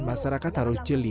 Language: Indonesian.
masyarakat harus jeli